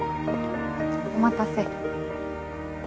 お待たせ。